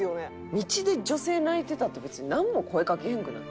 道で女性泣いてたって別になんも声かけへんくない？